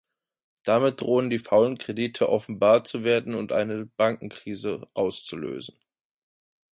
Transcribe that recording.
Damit drohten die faulen Kredite offenbar zu werden und eine Bankenkrise auszulösen.